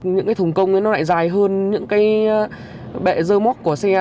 những thùng công lại dài hơn những bệ rơ móc của xe